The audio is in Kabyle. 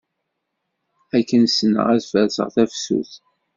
Akken sneɣ ad farṣeɣ tafsut.